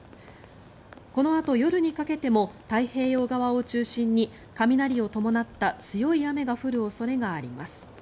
このあと、夜にかけても太平洋側を中心に雷を伴った強い雨が降る恐れがあります。